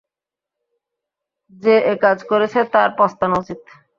যে একাজ করেছে তার পস্তানো উচিত।